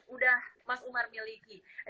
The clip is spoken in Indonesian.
udah mas umar miliki